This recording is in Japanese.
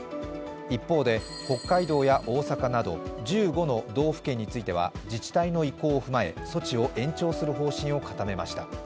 一方で、北海道や大阪など１５の道府県については自治体の意向を踏まえ措置を延長する方針を固めました。